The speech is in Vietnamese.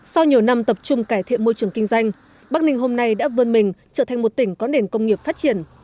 sau nhiều năm tập trung cải thiện môi trường kinh doanh bắc ninh hôm nay đã vơn mình trở thành một tỉnh có nền công nghiệp phát triển